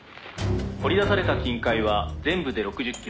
「掘り出された金塊は全部で６０キロ」